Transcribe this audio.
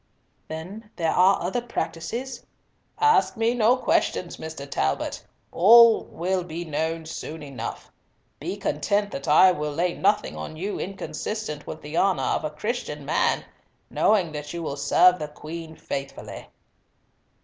"Then there are other practices?" "Ask me no questions, Mr. Talbot. All will be known soon enough. Be content that I will lay nothing on you inconsistent with the honour of a Christian man, knowing that you will serve the Queen faithfully."